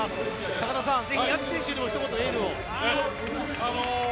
高田さん、矢地選手にもひと言、エールを。